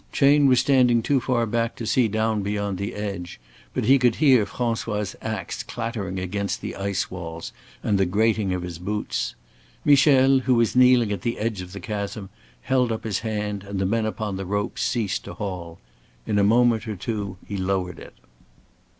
Chayne was standing too far back to see down beyond the edge, but he could hear François' ax clattering against the ice walls, and the grating of his boots. Michel, who was kneeling at the edge of the chasm, held up his hand, and the men upon the rope ceased to haul. In a minute or two he lowered it.